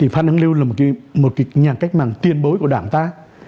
phan đăng lưu là một nhà cách mạng tiền bối của đảng ta